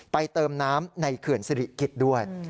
เติมน้ำในเขื่อนสิริกิจด้วย